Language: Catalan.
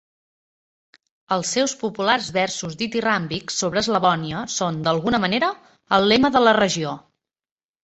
Els seus populars versos ditiràmbics sobre Slavonia són, d'alguna manera, el lema de la regió.